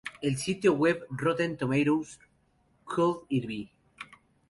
En el sitio web "Rotten Tomatoes", "Could It Be...